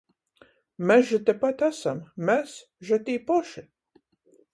Mes že tepat asam, mes že tī poši!